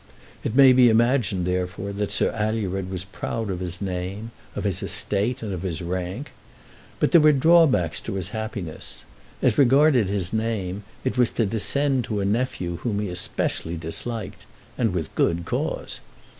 It may be imagined, therefore, that Sir Alured was proud of his name, of his estate, and of his rank. But there were drawbacks to his happiness. As regarded his name, it was to descend to a nephew whom he specially disliked, and with good cause.